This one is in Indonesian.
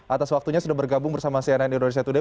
atas waktunya sudah bergabung bersama cnn indonesia today